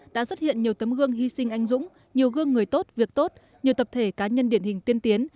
đã xuất hiện nhiều tấm gương hy sinh anh dũng nhiều gương người tốt việc tốt nhiều tập thể cá nhân điển hình tiên tiến